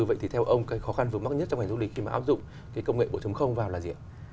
vậy thì theo ông cái khó khăn vừa mắc nhất trong ngành du lịch khi mà áp dụng công nghệ bốn vào là gì ạ